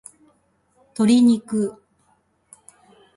鶏肉